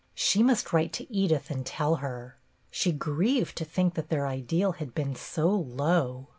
She must write to Edith and tell her; she grieved to think that their ideal had been so low.